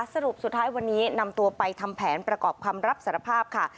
สรุปสุดท้ายวันนี้นำตัวไปทำแผนประกอบคำรับสารภาพค่ะ